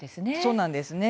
そうなんです。